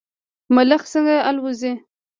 ملخ څنګه الوځي؟